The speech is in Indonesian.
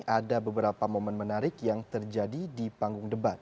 ada beberapa momen menarik yang terjadi di panggung debat